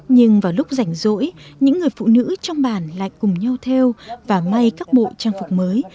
nhưng vào lúc rảnh rỗi những người phụ nữ trong bản lại cùng nhau theo và may các bộ trang phục mới